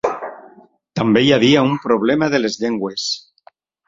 També hi havia un problema de les llengües.